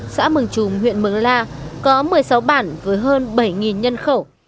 xã mường chùm huyện mướng la có một mươi sáu bản với hơn bảy nhân khẩu